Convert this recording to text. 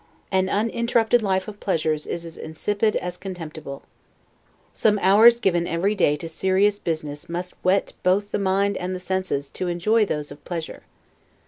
An uninterrupted life of pleasures is as insipid as contemptible. Some hours given every day to serious business must whet both the mind and the senses, to enjoy those of pleasure.